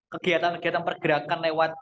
kegiatan kegiatan pergerakan lewat